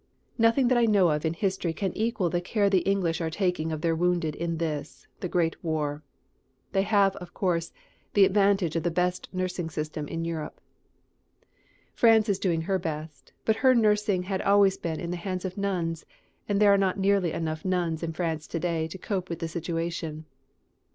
Nothing that I know of in history can equal the care the English are taking of their wounded in this, the great war. They have, of course, the advantage of the best nursing system in Europe. France is doing her best, but her nursing had always been in the hands of nuns, and there are not nearly enough nuns in France to day to cope with the situation.